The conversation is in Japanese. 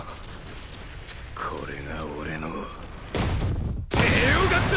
これが俺の帝王学だ！！